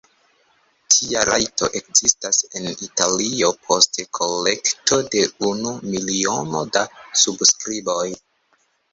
Tia rajto ekzistas en Italio post kolekto de unu miliono da subskriboj.